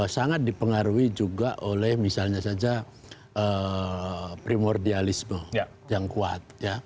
sangat dipengaruhi juga oleh misalnya saja primordialisme yang kuat